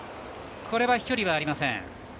これは飛距離はありません。